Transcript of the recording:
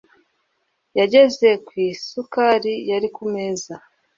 Yageze ku isukari yari ku meza